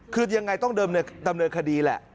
คือยังไงต้องเดินดำเนยคดีแหละ